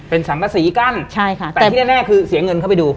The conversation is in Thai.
เป็นสรรพสีกั้นแต่ที่แน่คือเสียเงินเข้าไปดู